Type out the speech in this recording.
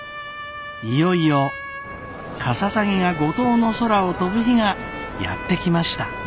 いよいよかささぎが五島の空を飛ぶ日がやって来ました。